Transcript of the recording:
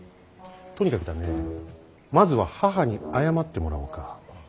とにかくだねまずは母に謝ってもらおうか。